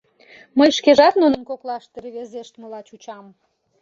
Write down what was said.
Мый шкежат нунын коклаште рвезештмыла чучам...